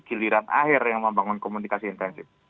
giliran air yang membangun komunikasi intensif